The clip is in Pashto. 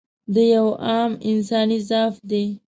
دا یو عام انساني ضعف دی.